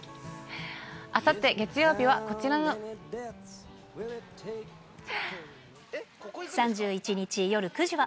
あさって月曜日は、３１日夜９時は、